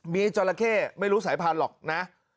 มีจราเข้ไม่รู้สายพันธุ์หรอกนะ